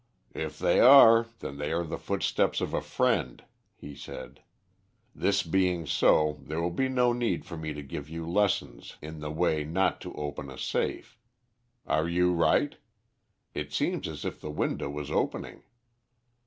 "If they are, then they are the footsteps of a friend," he said. "This being so, there will be no need for me to give you lessons in the way not to open a safe. Are you right? It seems as if the window was opening."